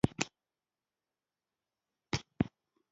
ډېره ډوډۍ خوړل او تالونه تشول روغتیا ته زیان رسوي.